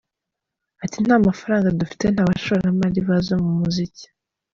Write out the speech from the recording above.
Ati “Nta mafaranga dufite nta bashoramari baza mu muziki.